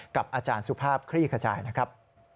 กับอาจารย์สุภาพคลี่ขจายนะครับ